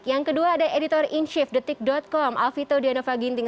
yang kedua ada editor inshift com alvito dianova ginting